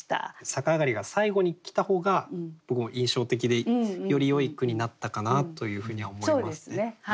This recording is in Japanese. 「さかあがり」が最後に来た方が僕も印象的でよりよい句になったかなというふうには思いますね。